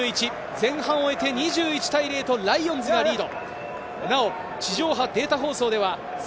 前半を終えて、２１対０と、ライオンズがリード。